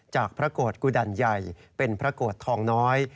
พระโกรธกุดันใหญ่เป็นพระโกรธทองน้อย